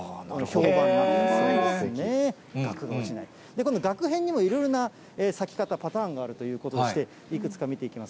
このがく片にもいろいろな咲き方、パターンがあるということでして、いくつか見ていきます。